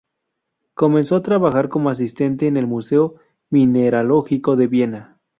Comenzó a trabajar como asistente en el museo mineralógico de Viena.